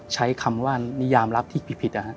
ใช้คำว่านิยามรับที่ผิดนะครับ